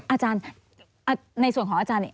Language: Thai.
อาจารย์ในส่วนของอาจารย์เนี่ย